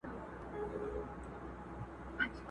نه په منځ كي خياطان وه نه ټوكران وه،